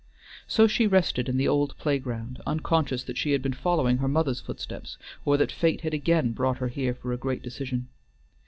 So she rested in the old playground, unconscious that she had been following her mother's footsteps, or that fate had again brought her here for a great decision.